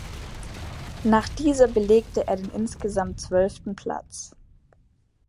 Nach dieser belegte er den insgesamt zwölften Platz.